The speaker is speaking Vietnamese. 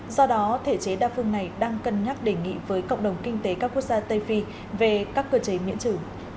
do đó thể chế đa phương này đang cân nhắc đề nghị với cộng đồng kinh tế các quốc gia tây phi về các cơ chế miễn trừ